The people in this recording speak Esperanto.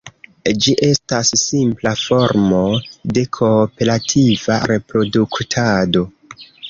Ĝi estas simpla formo de kooperativa reproduktado.